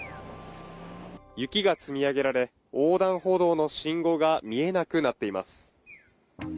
雪が積み上げられ横断歩道の信号が見えなくなっています。